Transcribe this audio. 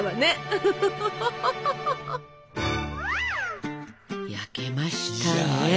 いや焼けました！